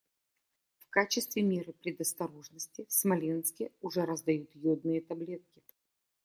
В качестве меры предосторожности в Смоленске уже раздают йодные таблетки.